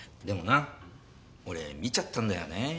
でもな俺見ちゃったんだよね。